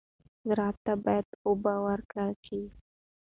زراعت ته باید اوبه ورکړل شي.